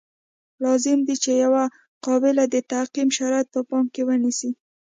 لازم دي چې یوه قابله د تعقیم شرایط په پام کې ونیسي.